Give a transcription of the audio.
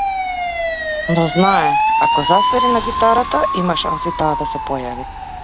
Но знае, ако засвири на гитарата, има шанси таа да се појави.